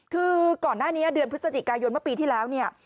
คือก่อนหน้านี้เดือนพฤศจิกายนเมื่อปีที่แล้วเนี่ย